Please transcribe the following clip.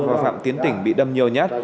và phạm tiến tỉnh bị đâm nhiều nhát